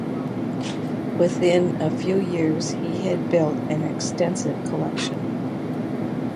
Within a few years he had built an extensive collection.